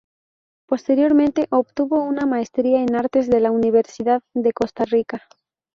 Posteriormente obtuvo una maestría en Artes de la Universidad de Costa Rica.